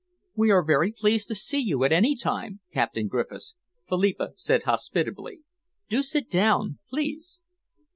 "We are very pleased to see you at any time, Captain Griffiths," Philippa said hospitably. "Do sit down, please."